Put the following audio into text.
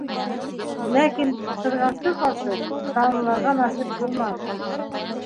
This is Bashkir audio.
Ләкин, ҡыҙғанысҡа ҡаршы, тамамларға насип булманы.